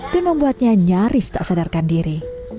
dan membuatnya nyaris tak sadarkan diri